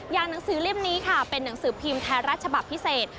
หนังสือเล่มนี้ค่ะเป็นหนังสือพิมพ์ไทยรัฐฉบับพิเศษ